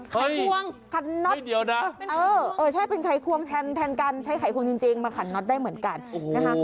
ไขควงขันน็อตเดียวนะใช่เป็นไขควงแทนการใช้ไขควงจริงมาขันน็อตได้เหมือนกันนะคะ